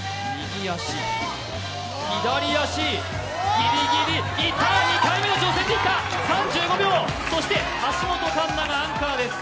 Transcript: ぎりぎり、２回目の挑戦でいった、３５秒、そして橋本環奈がアンカーです。